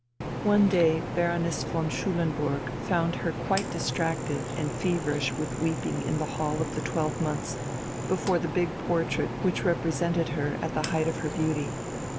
One day Baroness von Schulenburg found her quite distracted and feverish with weeping in the Hall of the Twelve Months before the big portrait which represented her at the height of her beauty....